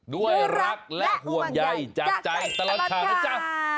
ด้วยรักและห่วงใหญ่จังตลอดค่ะนะจ๊ะ